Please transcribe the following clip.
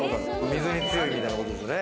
水に強いみたいなことですね。